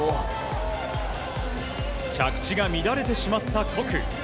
着地が乱れてしまった谷。